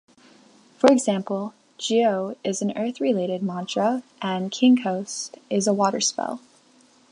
For example, "geo" is an earth-related mantra, and "kingcoast" is a water spell.